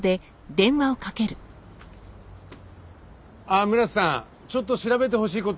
ああ村瀬さんちょっと調べてほしい事。